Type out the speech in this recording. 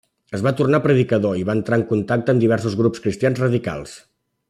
Es va tornar predicador i va entrar en contacte amb diversos grups cristians radicals.